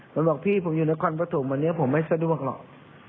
ผมบอกพี่ผมอยู่นครปฐมวันนี้ผมไม่สะดวกหรอก